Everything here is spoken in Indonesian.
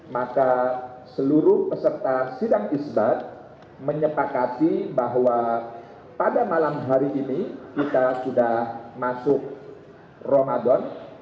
maka seluruh peserta sidang isbat menyepakati bahwa pada malam hari ini kita sudah masuk ramadan